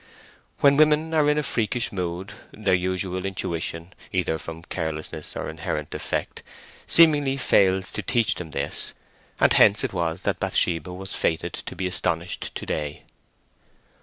When women are in a freakish mood, their usual intuition, either from carelessness or inherent defect, seemingly fails to teach them this, and hence it was that Bathsheba was fated to be astonished to day.